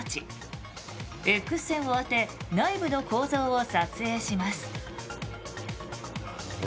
Ｘ線を当て内部の構造を撮影します。